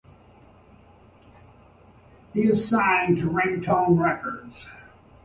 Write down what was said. He is signed to Ringtone Records.